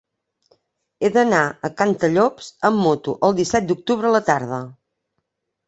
He d'anar a Cantallops amb moto el disset d'octubre a la tarda.